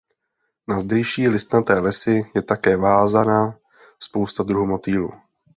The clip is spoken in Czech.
Na zdejší listnaté lesy je také vázána spousta druhů motýlů.